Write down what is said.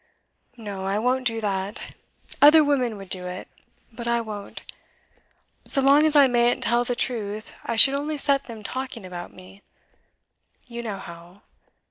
'No, I won't do that. Other women would do it, but I won't. So long as I mayn't tell the truth, I should only set them talking about me; you know how.